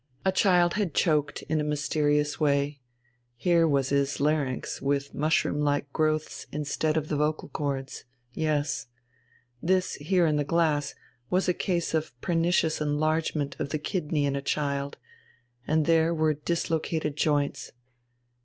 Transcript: A child had choked in a mysterious way: here was his larynx with mushroom like growths instead of the vocal chords. Yes. This, here in the glass, was a case of pernicious enlargement of the kidney in a child, and there were dislocated joints.